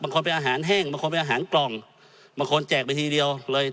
บางคนเป็นอาหารแห้งบางคนเป็นอาหารกล่องบางคนแจกไปทีเดียวเลย